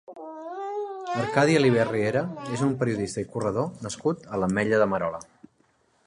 Arcadi Alibés Riera és un periodista i corredor nascut a l'Ametlla de Merola.